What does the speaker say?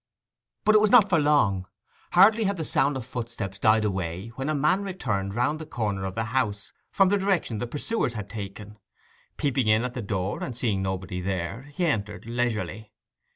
But it was not for long. Hardly had the sound of footsteps died away when a man returned round the corner of the house from the direction the pursuers had taken. Peeping in at the door, and seeing nobody there, he entered leisurely.